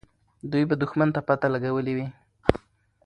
دوی به دښمن ته پته لګولې وي.